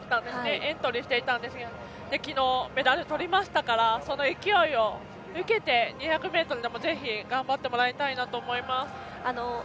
エントリーしていたんですが昨日メダルとりましたからその勢いを受けて２００ｍでもぜひ頑張ってもらいたいなと思います。